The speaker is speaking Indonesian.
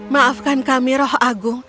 maafkan kami rauh agung